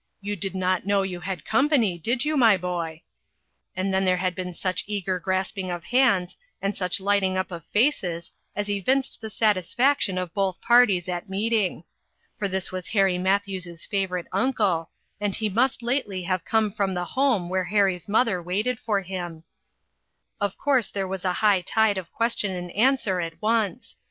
" You did not know you had company, did you, my boy?" And then there had been such eager grasping of hands, and such lighting up of faces, as evinced the satisfaction of both parties at meeting. For this was Harry Matthews' favorite uncle, and he must lately have come from the home where Harry's mother waited for him. Of course there was a high tide of ques tion and answer at once.